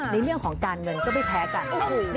ในเรื่องของการเงินก็ไม่แพ้กัน